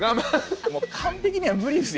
もう完璧には無理です